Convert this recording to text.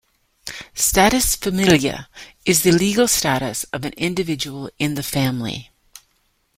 "Status familiae" is the legal status of an individual in the family.